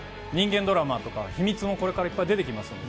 人間ドラマとか秘密もこれからいっぱい出てきます。